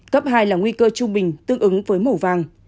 cấp hai là nguy cơ trung bình tương ứng với màu vàng